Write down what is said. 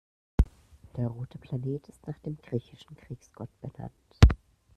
Der rote Planet ist nach dem griechischen Kriegsgott benannt.